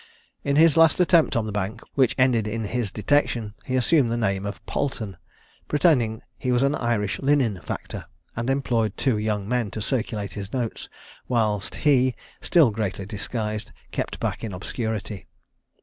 In his last attempt on the Bank, which ended in his detection, he assumed the name of Palton, pretending he was an Irish linen factor, and employed two young men to circulate his notes, whilst he, still greatly disguised, kept back in obscurity.